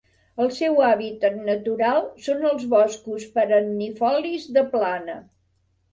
El seu hàbitat natural són els boscos perennifolis de plana.